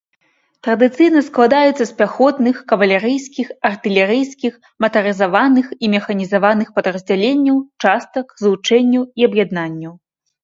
Традыцыйна складаюцца з пяхотных, кавалерыйскіх, артылерыйскіх, матарызаваных і механізаваных падраздзяленняў, частак, злучэнняў і аб'яднанняў.